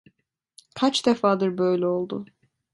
Kaç defadır böyle oldu…